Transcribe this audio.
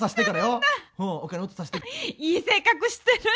いい性格してる！」。